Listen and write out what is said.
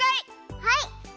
はい！